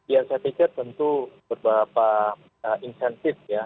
ya saya pikir tentu beberapa insentif ya